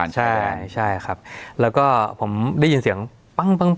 จุดนั้นผมหลบ